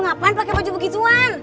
lu ngapain pakai baju begituan